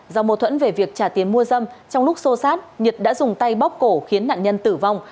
do mâu thuẫn về việc trả tiền mua dâm trong lúc xô xát nhật đã dùng tay bóc cổ khiến nạn nhân tử vong